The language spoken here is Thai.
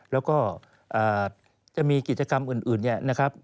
และก็จะมีกิจกรรมอื่นนะครับ